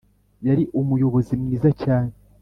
yari umuyobozi mwiza cyane